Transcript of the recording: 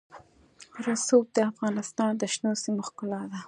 رسوب د افغانستان د شنو سیمو ښکلا ده.